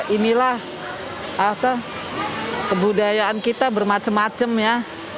inilah kebudayaan kita bermacam macam ya